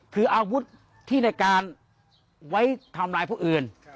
คืออาวุธที่ในการไว้ทำร้ายผู้อื่น